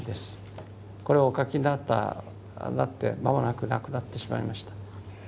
これをお描きになって間もなく亡くなってしまいました。